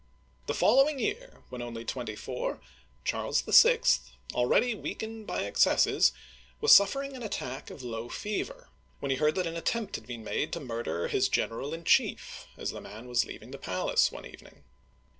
The following year, when only twenty four, Charles VI., already weakened by excesses, was suffering an attack of low fever, when he heard that an attempt had been made to murder his general in chief, as the man was leaving the palace one evening.